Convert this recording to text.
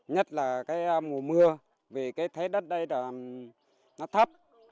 nhất là cái mùa mưa vì cái thế đất đây là nó thấp